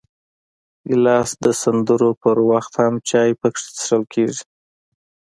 ګیلاس د سندرو پر وخت هم چای پکې څښل کېږي.